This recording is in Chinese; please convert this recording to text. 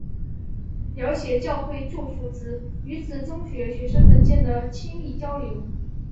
描写教会住宿制女子中学学生们间的亲密交流。